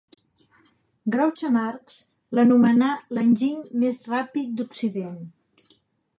Groucho Marx l'anomenà L'enginy més ràpid d'Occident.